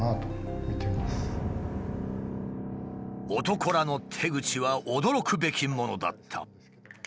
男らの手口は驚くべきものだった。